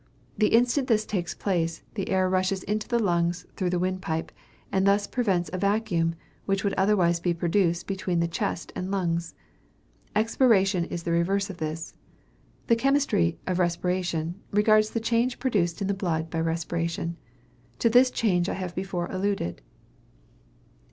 The instant this takes place, the air rushes into the lungs through the windpipe, and thus prevents a vacuum, which would otherwise be produced between the chest and lungs." Expiration is the reverse of this. The chemistry of respiration regards the change produced in the blood by respiration. To this change I have before alluded.